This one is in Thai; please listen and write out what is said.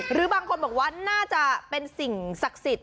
หรือบางคนบอกว่าน่าจะเป็นสิ่งศักดิ์สิทธิ